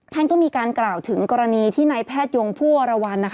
ท่านก็มีการกล่าวถึงกรณีที่นายแพทยงผู้วรวรรณ